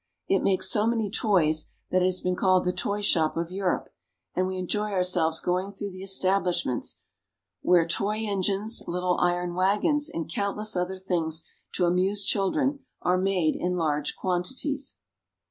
It makes so many toys that it has been called the toy shop of Europe, and we enjoy ourselves going through the establishments where toy engines, little iron wagons, and countless other things to amuse children are made in large quantities.